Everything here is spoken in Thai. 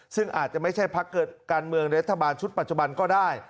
ซึ่งอาจจะไม่ใช่พักเกิดการเมืองรัฐบาลชุดปัจจุบันก็ได้